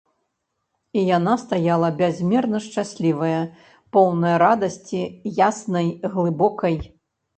І яна стаяла бязмерна шчаслівая, поўная радасці яснай, глыбокай.